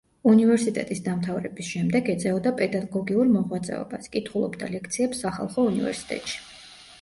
უნივერისტეტის დამთავრების შემდეგ, ეწეოდა პედაგოგიურ მოღვაწეობას, კითხულობდა ლექციებს სახალხო უნივერსიტეტში.